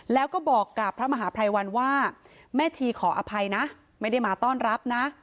แล้วก็บอกกับพระมหาภัยวันว่าแม่ชีขออภัยนะไม่ได้มาต้อนรับนะ